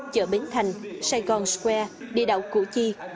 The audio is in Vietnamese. chợ bến thành saigon square địa đạo củ chi